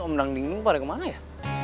om rangding lupa ada kemana ya